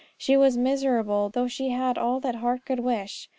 She was miserable, though she had all that heart could wish.